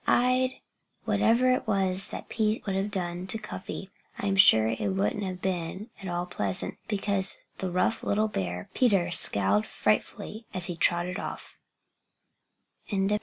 I'd " Whatever it was that Peter would have done to Cuffy, I am sure it wouldn't have been at all pleasant, because the rough little bear Peter scowled frightfully as he trotted off.